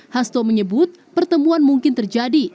hasto menyebut pertemuan mungkin terjadi